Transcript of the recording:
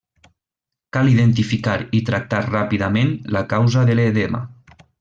Cal identificar i tractar ràpidament la causa de l'edema.